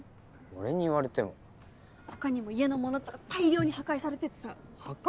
俺に言われても他にも家のものとか大量に破壊されててさ破壊？